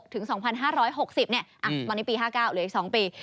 ตอนนี้ปี๕๙หรืออีก๒ปี